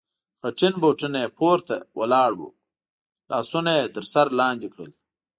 خټین بوټونه یې پورته ولاړ و، لاسونه یې تر سر لاندې کړل.